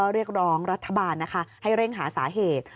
เรียกร้องรัฐบาลนะคะให้เร่งหาสาเหตุ